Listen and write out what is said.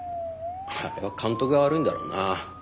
あれは監督が悪いんだろうなあ。